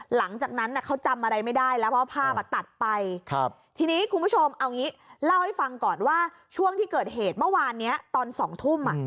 หลังจากนั้นเขาจำอะไรไม่ได้แล้วเพราะภาพตัดไปทีนี้คุณผู้ชมเอางี้เล่าให้ฟังก่อนว่าช่วงที่เกิดเหตุเมื่อวานนี้ตอน๒ทุ่ม